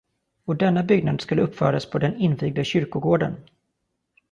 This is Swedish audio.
Och denna byggnad skulle uppföras på den invigda kyrkogården.